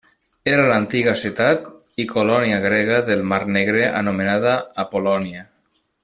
Era l'antiga ciutat i colònia grega del mar Negre anomenada Apol·lònia.